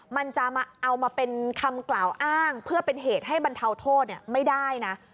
มันจะเอามาเป็นคำกล่าวอ้างเพื่อเป็นเหตุให้บรรเทาโทษไม่ได้นะ